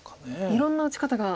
いろんな打ち方が。